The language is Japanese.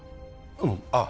うんああ